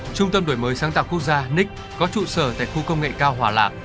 trung tâm đổi mới sáng tạo quốc gia nic có trụ sở tại khu công nghệ cao hỏa lạc